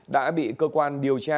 đã bị cơ quan điều tra